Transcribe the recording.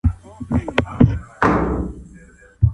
څه ډول قوانین د انټرنیټ کاروونکي خوندي کوي؟